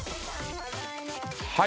はい。